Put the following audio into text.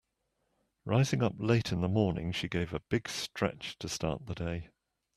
Rising up late in the morning she gave a big stretch to start the day.